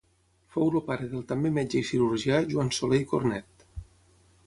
Fou el pare del també metge i cirurgià Joan Soler i Cornet.